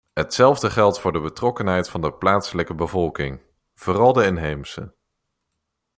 Hetzelfde geldt voor de betrokkenheid van de plaatselijke bevolking, vooral de inheemse.